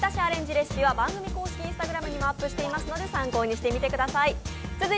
レシピは番組公式Ｉｎｓｔａｇｒａｍにもアップしていますので、参考にしてみてください。